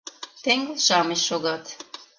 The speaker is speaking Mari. Теҥгыл-шамыч шогат.